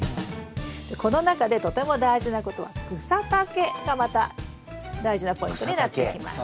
この中でとても大事なことは草丈がまた大事なポイントになってきます。